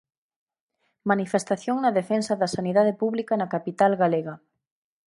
Manifestación na defensa da sanidade pública na capital galega.